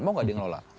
mau nggak dia ngelola